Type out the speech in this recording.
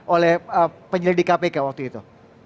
oleh penyelidik kpk waktu itu